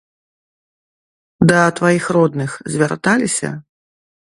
Да тваіх родных звярталіся?